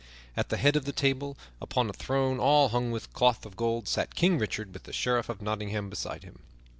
At the head of the table, upon a throne all hung with cloth of gold, sat King Richard with the Sheriff of Nottingham beside him.